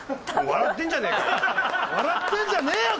笑ってんじゃねえよ！